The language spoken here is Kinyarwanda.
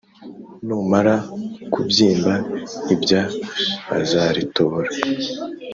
Numara kubyimba ibya bazaritobora